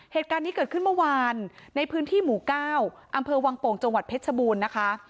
เหตุการณ์นี้เกิดขึ้นเมื่อวานในพื้นที่หมู่เก้าอำเภอวังโป่งจังหวัดเพชรชบูรณ์นะคะ